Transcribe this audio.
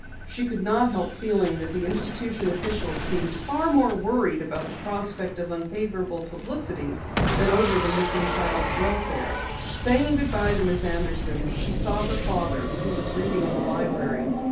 She could not help feeling that the institution officials seemed far more worried about the prospect of unfavorable publicity than over the missing child's welfare. Saying goodbye to Miss Anderson, she sought her father who was reading in the library.